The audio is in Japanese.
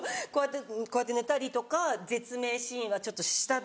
こうやって寝たりとか絶命シーンはちょっと下で。